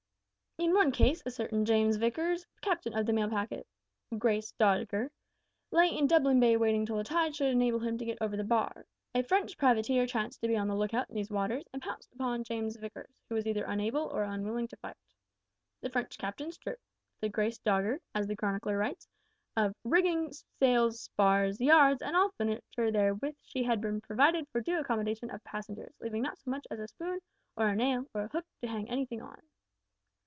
"In one case a certain James Vickers, captain of the mail packet `Grace Dogger,' lay in Dublin Bay waiting till the tide should enable him to get over the bar. A French privateer chanced to be on the look out in these waters, and pounced upon James Vickers, who was either unable or unwilling to fight. The French captain stripped the `Grace Dogger' as the chronicler writes `of rigging, sails, spars, yards, and all furniture wherewith she had been provided for due accommodation of passengers, leaving not so much as a spoone, or a naile, or a hooke to hang anything on.'